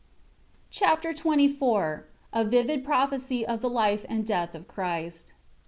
Chapter XXIV A vivid prophecy of the life and death of Christ.